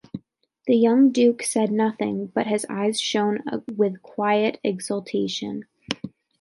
The young Duke said nothing, but his eyes shone with quiet exultation.